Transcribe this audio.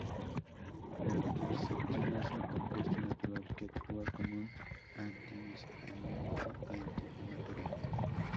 La quercetina es un compuesto natural que actúa como un antihistamínico y antiinflamatorio.